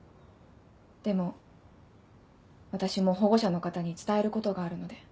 でも私も保護者の方に伝えることがあるので。